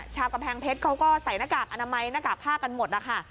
ชาวกำแพงเพชรเขาก็ใส่หน้ากากอนามัยหน้ากากผ้ากันหมดนะคะ